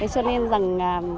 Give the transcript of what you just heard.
cho nên rằng